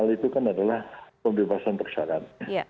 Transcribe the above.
hal itu kan adalah pembebasan persyarat